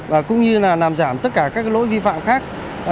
và cũng như là làm giảm tất cả các lỗi vi phạm khác